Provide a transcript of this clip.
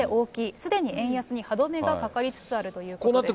すでに円安に歯止めがかかりつつあるということです。